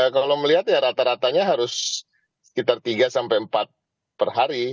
kalau melihat ya rata ratanya harus sekitar tiga sampai empat per hari